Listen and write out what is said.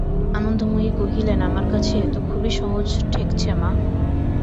আনন্দময়ী কহিলেন, আমার কাছে এ তো খুবই সহজ ঠেকছে মা!